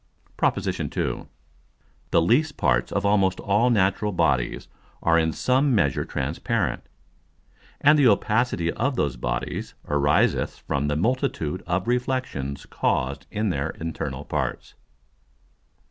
PROP. II. _The least parts of almost all natural Bodies are in some measure transparent: And the Opacity of those Bodies ariseth from the multitude of Reflexions caused in their internal Parts.